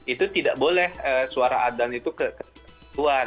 itu tidak boleh suara azan itu keluar